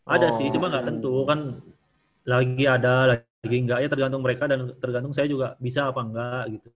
ada sih cuma nggak tentu kan lagi ada lagi enggak ya tergantung mereka dan tergantung saya juga bisa apa enggak gitu